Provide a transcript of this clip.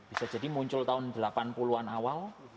bisa jadi muncul tahun delapan puluh an awal